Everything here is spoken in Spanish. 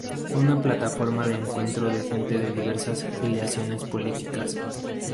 Fue una plataforma de encuentro de gente de diversas filiaciones políticas.